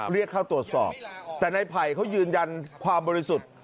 เรียกเข้าตรวจสอบแต่ในไผ่เขายืนยันความบริสุทธิ์